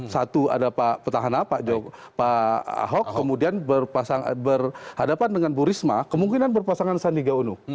satu ada pak petahana pak ahok kemudian berhadapan dengan bu risma kemungkinan berpasangan sandi gauno